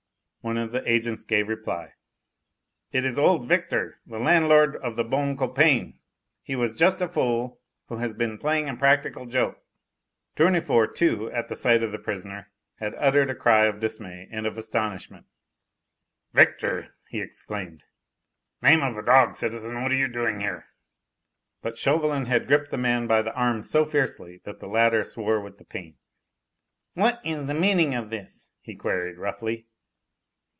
One of the agents gave reply: "It is old Victor, the landlord of the 'Bon Copain.' He is just a fool, who has been playing a practical joke." Tournefort, too, at sight of the prisoner had uttered a cry of dismay and of astonishment. "Victor!" he exclaimed. "Name of a dog, citizen, what are you doing here?" But Chauvelin had gripped the man by the arm so fiercely that the latter swore with the pain. "What is the meaning of this?" he queried roughly.